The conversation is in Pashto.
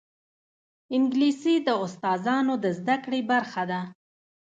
انګلیسي د استاذانو د زده کړې برخه ده